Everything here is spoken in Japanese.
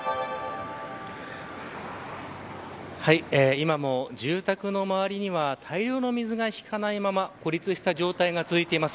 今も住宅の周りには大量の水が引かないまま孤立した状態が続いています。